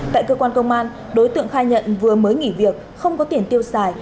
tại cơ quan công an đối tượng khai nhận vừa mới nghỉ việc không có tiền tiêu xài